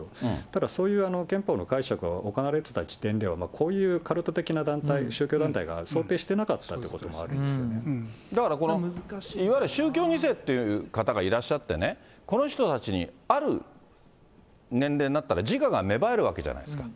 ただそういう憲法の解釈が行われてた時点では、こういうカルト的な宗教団体が想定してなかったということもありだからこの、いわゆる宗教２世という方がいらっしゃってね、この人たちに、ある年齢になったら、自我が芽生えるわけじゃないですか。